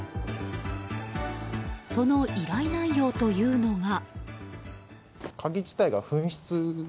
その依頼内容というのが。